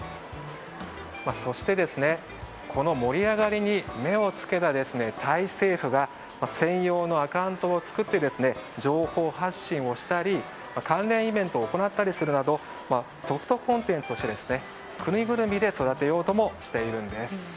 そしてこの盛り上がりに目を付けたタイ政府が専用のアカウントを作って情報発信をしたり関連イベントを行ったりするなどソフトコンテンツとして国ぐるみで育てようともしているんです。